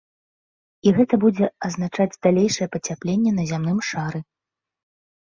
І гэта будзе азначаць далейшае пацяпленне на зямным шары.